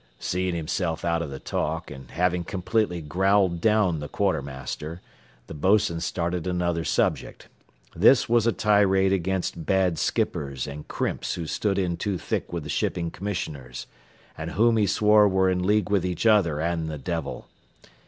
Seeing himself out of the talk, and having completely growled down the quartermaster, the bos'n started another subject. This was a tirade against bad skippers and crimps who stood in too thick with the shipping commissioners, and whom he swore were in league with each other and the devil.